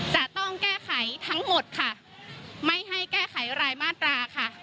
จะต้องแก้ไขทั้งหมดค่ะไม่ให้แก้ไขรายมาตราค่ะ